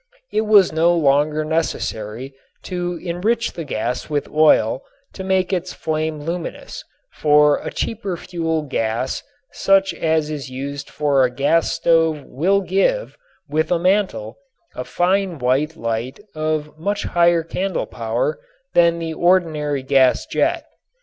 It was no longer necessary to enrich the gas with oil to make its flame luminous, for a cheaper fuel gas such as is used for a gas stove will give, with a mantle, a fine white light of much higher candle power than the ordinary gas jet.